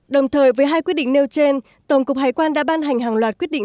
đồng thời với hai quyết định nêu trên tổng cục hải quan đã ban hành hàng loạt quyết định